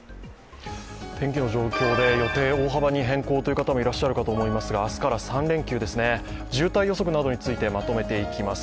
天気の状況で予定、大幅に変更という方もいらっしゃると思いますが明日から３連休ですね、渋滞予測などについてまとめていきます。